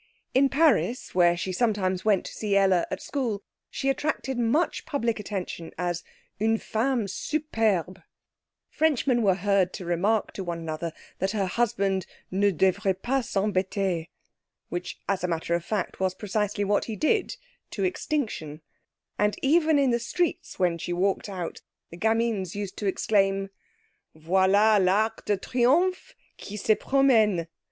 In Paris, where she sometimes went to see Ella at school, she attracted much public attention as une femme superbe. Frenchmen were heard to remark to one another that her husband ne devrait pas s'embêter (which, as a matter of fact, was precisely what he did to extinction); and even in the streets when she walked out the gamins used to exclaim, '_Voilà l'Arc de Triomphe qui se promène!